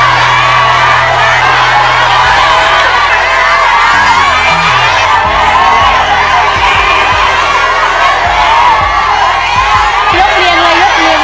ยกเรียนเลยยกเรียนเลย